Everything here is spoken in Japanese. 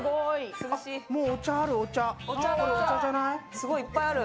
すごいいっぱいある。